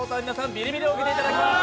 ビリビリを受けていただきます。